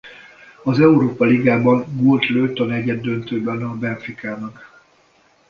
Az Európa-ligában gólt lőtt a negyeddöntőben a Benficának.